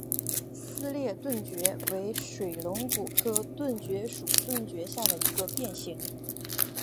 撕裂盾蕨为水龙骨科盾蕨属盾蕨下的一个变型。